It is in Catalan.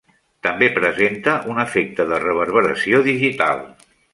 També presenta un efecte de reverberació digital.